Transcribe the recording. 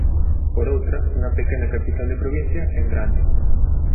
por outra, unha pequena capital de provincia, en grande.